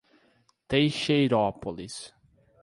Teixeirópolis